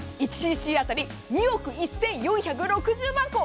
１ｃｃ当たり２億１４６０万個。